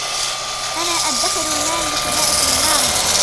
أنا أدّخر المال لشراء سيارة.